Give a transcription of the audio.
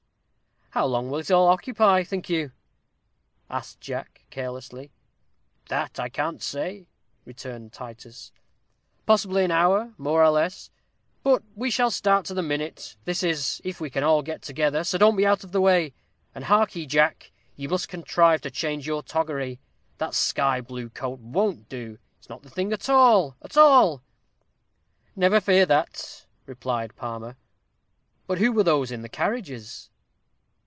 "How long will it all occupy, think you?" asked Jack, carelessly. "That I can't say," returned Titus; "possibly an hour, more or less. But we shall start to the minute that is, if we can get all together, so don't be out of the way. And hark ye, Jack, you must contrive to change your toggery. That sky blue coat won't do. It's not the thing at all, at all." "Never fear that," replied Palmer. "But who were those in the carriages?"